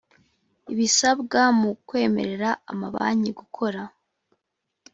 ibisabwa mu kwemerera amabanki gukora